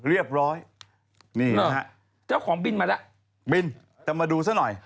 เรียบร้อยนี่นะฮะเจ้าของบินมาแล้วบินจะมาดูซะหน่อย